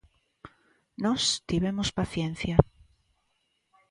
Nós tivemos paciencia.